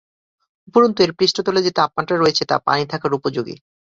উপরন্তু এর পৃষ্ঠতলে যে তাপমাত্রা রয়েছে তা পানি থাকার উপযোগী।